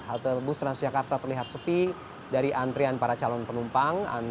halte bus transjakarta terlihat sepi dari antrian para calon penumpang